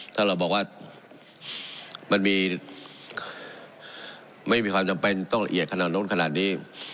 ถ้าเราบอกว่ามันมีไม่มีความจำเป็นต้องละเอียดขนาดนู้นขนาดนี้